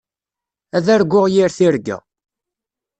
Ad arguɣ yir tirga.